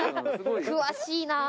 詳しいなあ。